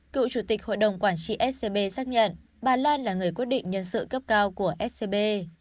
cựu chủ tịch hội đồng quản trị scb xác nhận bà lan là người quyết định nhân sự cấp cao của scb